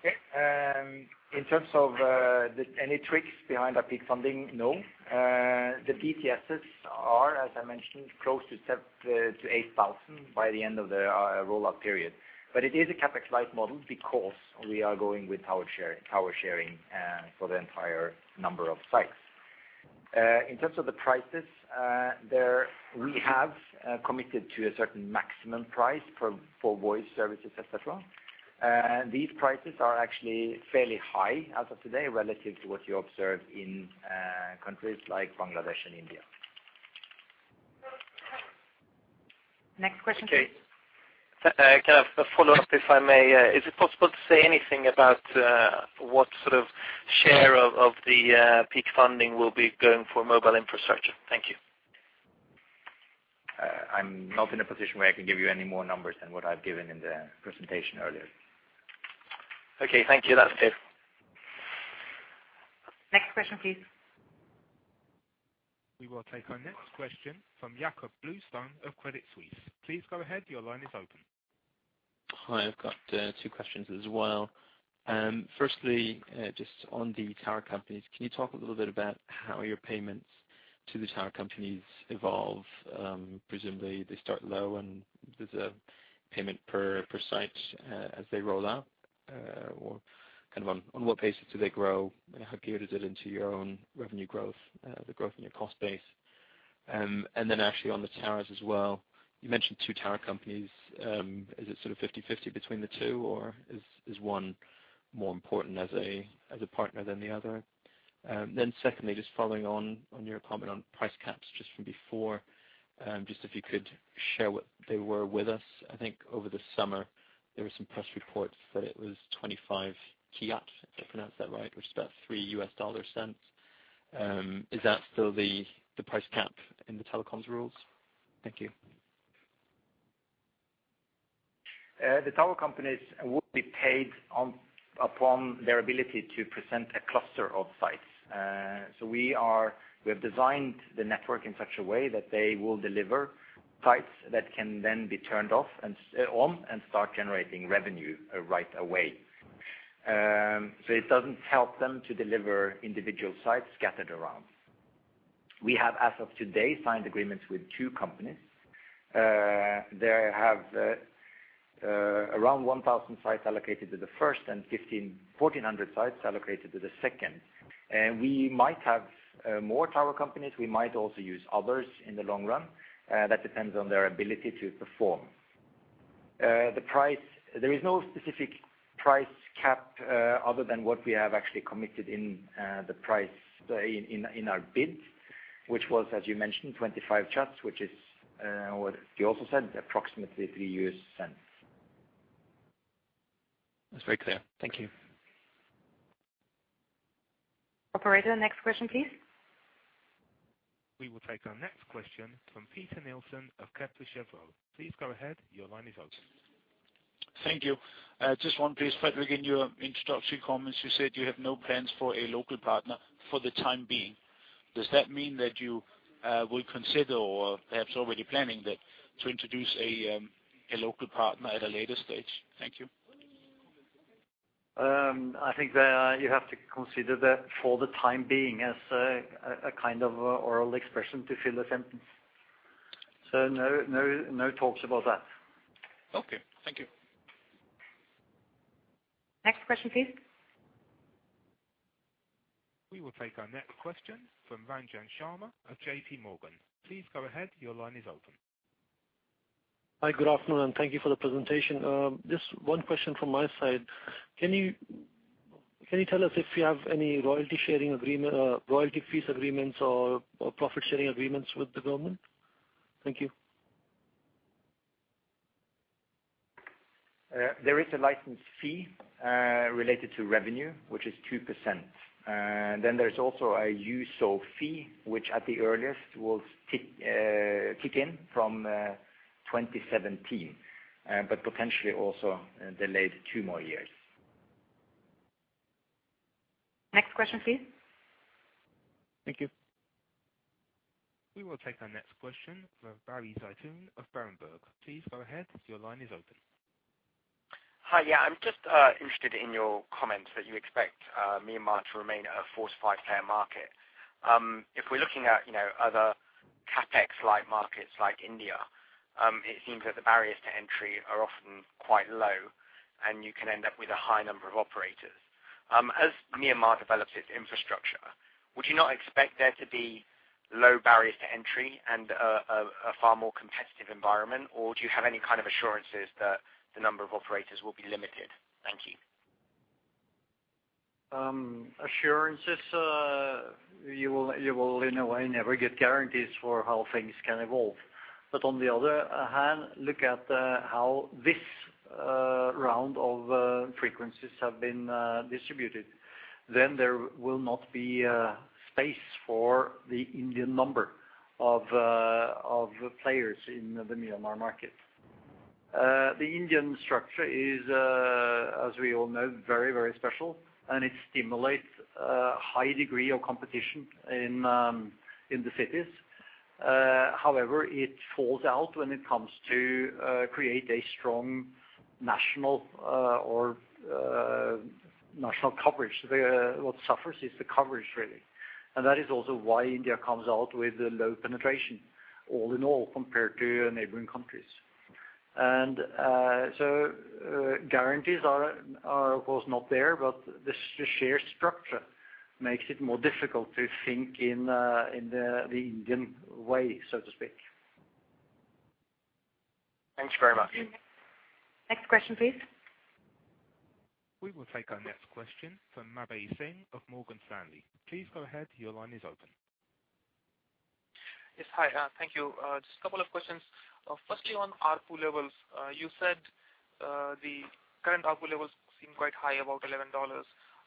Okay, in terms of any tricks behind our peak funding, no. The BTSs are, as I mentioned, close to 7,000-8,000 by the end of the rollout period. But it is a CapEx light model because we are going with tower sharing for the entire number of sites. In terms of the prices, there we have committed to a certain maximum price for voice services, et cetera. These prices are actually fairly high as of today, relative to what you observe in countries like Bangladesh and India. Next question, please. Okay. Can I have a follow-up, if I may? Is it possible to say anything about what sort of share of the peak funding will be going for mobile infrastructure? Thank you. I'm not in a position where I can give you any more numbers than what I've given in the presentation earlier. Okay. Thank you. That's it. Next question, please. We will take our next question from Jacob Bluestone of Credit Suisse. Please go ahead. Your line is open. Hi, I've got two questions as well. Firstly, just on the tower companies, can you talk a little bit about how your payments to the tower companies evolve? Presumably, they start low, and there's a payment per site as they roll out. Or kind of on what basis do they grow, and how good is it into your own revenue growth, the growth in your cost base? And then actually on the towers as well, you mentioned two tower companies. Is it sort of 50/50 between the two, or is one more important as a partner than the other? Then secondly, just following on your comment on price caps, just from before, just if you could share what they were with us. I think over the summer, there were some press reports that it was 25 MMK, if I pronounced that right, which is about $0.03. Is that still the price cap in the telecoms rules?... Thank you. The tower companies will be paid on, upon their ability to present a cluster of sites. So we have designed the network in such a way that they will deliver sites that can then be turned off and on, and start generating revenue right away. So it doesn't help them to deliver individual sites scattered around. We have, as of today, signed agreements with two companies. They have around 1,000 sites allocated to the first and 1,400 sites allocated to the second. And we might have more tower companies, we might also use others in the long run, that depends on their ability to perform. The price, there is no specific price cap, other than what we have actually committed in the price in our bid, which was, as you mentioned, MMK 25, which is what you also said, approximately $0.03. That's very clear. Thank you. Operator, next question, please. We will take our next question from Peter Nielsen of Kepler Chevreaux. Please go ahead. Your line is open. Thank you. Just one please, Fredrik, in your introductory comments, you said you have no plans for a local partner for the time being. Does that mean that you will consider or perhaps already planning that, to introduce a local partner at a later stage? Thank you. I think that you have to consider that for the time being as a kind of oral expression to fill a sentence. So no, no, no talks about that. Okay. Thank you. Next question, please. We will take our next question from Ranjan Sharma of JPMorgan. Please go ahead, your line is open. Hi, good afternoon, and thank you for the presentation. Just one question from my side. Can you, can you tell us if you have any royalty sharing agreement, royalty fees agreements or, or profit sharing agreements with the government? Thank you. There is a license fee related to revenue, which is 2%. Then there's also a USO fee, which at the earliest will kick in from 2017, but potentially also delayed 2 more years. Next question, please. Thank you. We will take our next question from Barry Zeitoune of Berenberg. Please go ahead, your line is open. Hi, yeah, I'm just interested in your comments that you expect Myanmar to remain a 4-5 player market. If we're looking at, you know, other CapEx-light markets like India, it seems that the barriers to entry are often quite low, and you can end up with a high number of operators. As Myanmar develops its infrastructure, would you not expect there to be low barriers to entry and a far more competitive environment? Or do you have any kind of assurances that the number of operators will be limited? Thank you. Assurances, you will in a way never get guarantees for how things can evolve. But on the other hand, look at how this round of frequencies have been distributed. Then there will not be space for the Indian number of players in the Myanmar market. The Indian structure is, as we all know, very, very special, and it stimulates a high degree of competition in the cities. However, it falls out when it comes to create a strong national or national coverage. What suffers is the coverage, really. And that is also why India comes out with a low penetration all in all, compared to neighboring countries. And, so, guarantees are of course not there, but the sheer structure makes it more difficult to think in the Indian way, so to speak. Thanks very much. Next question, please. We will take our next question from Abhilash Singh of Morgan Stanley. Please go ahead, your line is open. Yes. Hi, thank you. Just a couple of questions. Firstly, on ARPU levels, you said, the current ARPU levels seem quite high, about $11.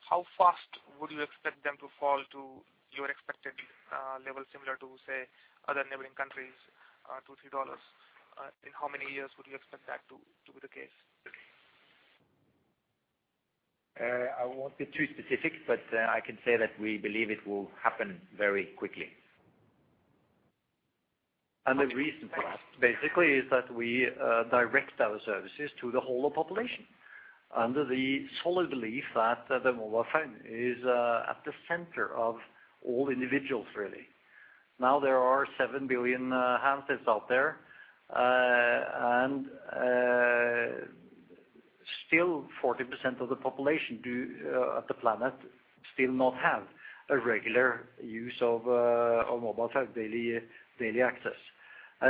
How fast would you expect them to fall to your expected, level, similar to, say, other neighboring countries, $2-$3? In how many years would you expect that to, to be the case? I won't be too specific, but I can say that we believe it will happen very quickly. The reason for that, basically, is that we direct our services to the whole of population, under the solid belief that the mobile phone is at the center of all individuals, really. Now, there are 7 billion handsets out there, and still 40% of the population do of the planet still not have a regular use of of mobile phone, daily, daily access.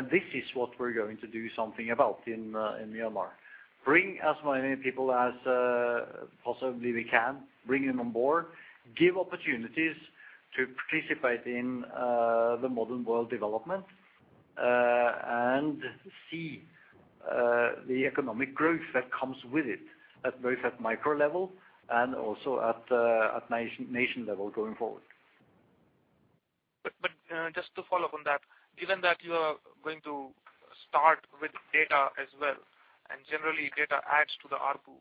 This is what we're going to do something about in in Myanmar. Bring as many people as possibly we can, bring them on board, give opportunities to participate in the modern world development, and see-... the economic growth that comes with it, at both the micro level and also at the national level going forward. But just to follow up on that, given that you are going to start with data as well, and generally, data adds to the ARPU,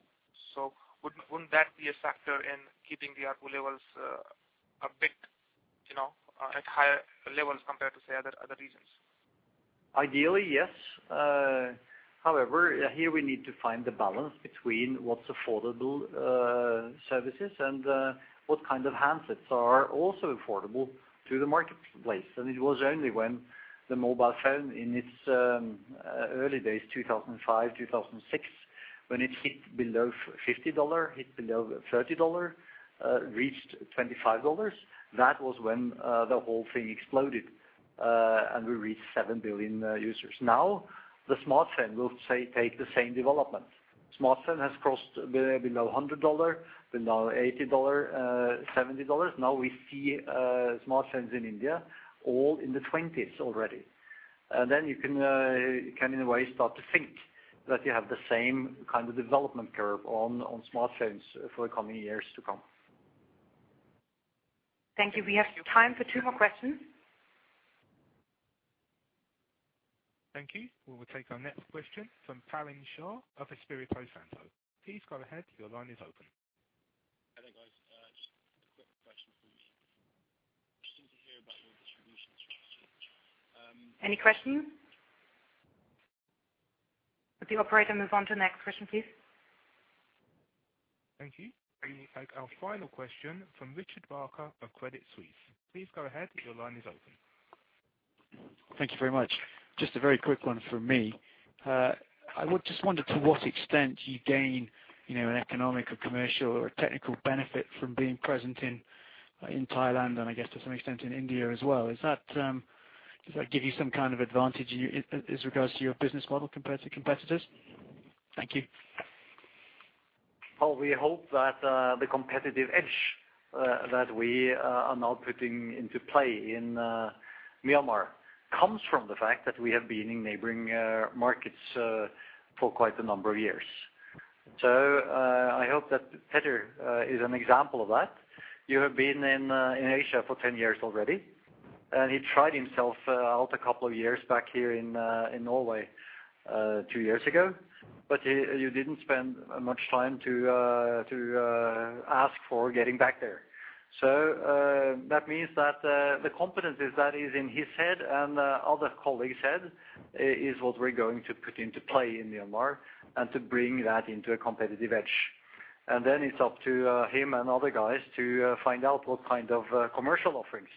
so wouldn't that be a factor in keeping the ARPU levels a bit, you know, at higher levels compared to, say, other regions? Ideally, yes. However, here we need to find the balance between what's affordable services and what kind of handsets are also affordable to the marketplace. And it was only when the mobile phone, in its early days, 2005, 2006, when it hit below $50, hit below $30, reached $25, that was when the whole thing exploded, and we reached 7 billion users. Now, the smartphone will, say, take the same development. Smartphone has crossed below $100, below $80, $70. Now we see smartphones in India, all in the 20s already. And then you can in a way start to think that you have the same kind of development curve on smartphones for the coming years to come. Thank you. We have time for two more questions. Thank you. We will take our next question from Pulin Shah of Espirito Santo. Please go ahead. Your line is open. Hi, there, guys. Just a quick question, please. Interesting to hear about your distribution strategy. Any questions? Could the operator move on to the next question, please? Thank you. We will take our final question from Richard Barker of Credit Suisse. Please go ahead. Your line is open. Thank you very much. Just a very quick one from me. I would just wonder, to what extent do you gain, you know, an economic or commercial or a technical benefit from being present in Thailand and I guess, to some extent, in India as well? Is that, does that give you some kind of advantage in, as regards to your business model compared to competitors? Thank you. Well, we hope that the competitive edge that we are now putting into play in Myanmar comes from the fact that we have been in neighboring markets for quite a number of years. So, I hope that Petter is an example of that. You have been in Asia for 10 years already, and he tried himself out a couple of years back here in Norway two years ago, but you didn't spend much time to ask for getting back there. So, that means that the competencies that is in his head and other colleagues' head is what we're going to put into play in Myanmar and to bring that into a competitive edge. Then it's up to him and other guys to find out what kind of commercial offerings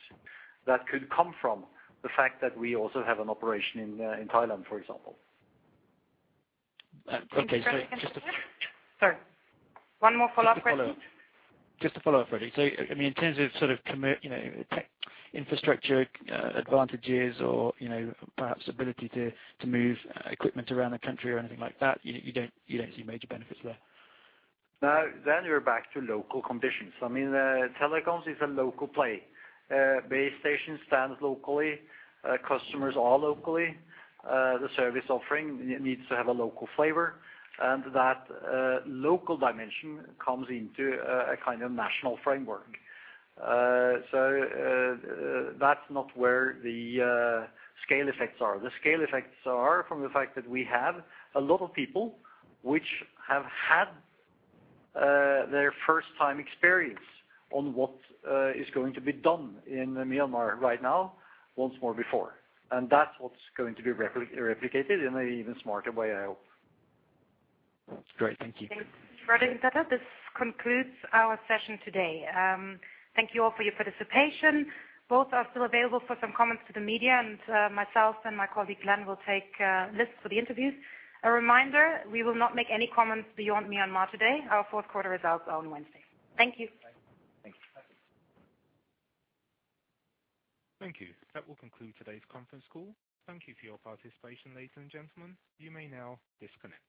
that could come from the fact that we also have an operation in Thailand, for example. Okay, so just a- Sorry, one more follow-up question. Just to follow up, Fredrik. So, I mean, in terms of sort of, you know, tech infrastructure, advantages or, you know, perhaps ability to move equipment around the country or anything like that, you don't see major benefits there? Now, then you're back to local conditions. I mean, telecoms is a local play. Base station stands locally, customers are locally, the service offering needs to have a local flavor, and that, local dimension comes into a, a kind of national framework. So, that's not where the scale effects are. The scale effects are from the fact that we have a lot of people which have had their first time experience on what is going to be done in Myanmar right now, once more before. And that's what's going to be replicated in a even smarter way, I hope. Great. Thank you. Thanks, Fredrik and Petter. This concludes our session today. Thank you all for your participation. Both are still available for some comments to the media, and myself and my colleague, Glenn, will take lists for the interviews. A reminder, we will not make any comments beyond Myanmar today. Our fourth quarter results are on Wednesday. Thank you. Thank you. Thank you. That will conclude today's conference call. Thank you for your participation, ladies and gentlemen. You may now disconnect.